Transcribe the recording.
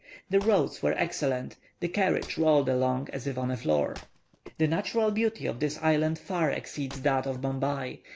The roads were excellent, the carriage rolled along as if on a floor. The natural beauty of this island far exceeds that of Bombay.